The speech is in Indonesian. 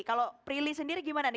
kalau prilly sendiri gimana nih